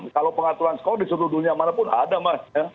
kalau pengaturan skor di seluruh dunia manapun ada mas